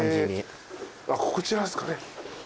こちらですかね。